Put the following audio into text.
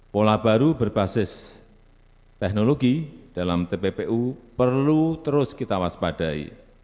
pola baru berbasis teknologi dalam tppu perlu terus kita waspadai